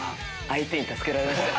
相手に助けられました。